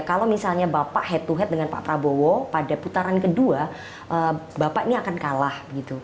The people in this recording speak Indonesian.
kalau misalnya bapak head to head dengan pak prabowo pada putaran kedua bapak ini akan kalah